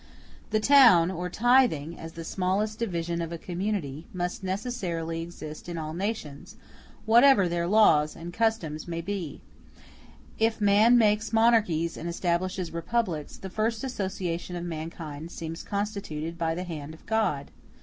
The town, or tithing, as the smallest division of a community, must necessarily exist in all nations, whatever their laws and customs may be: if man makes monarchies and establishes republics, the first association of mankind seems constituted by the hand of God.